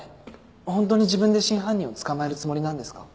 本当に自分で真犯人を捕まえるつもりなんですか？